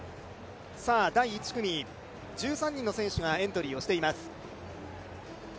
第１組、１３人の選手がエントリーをしています。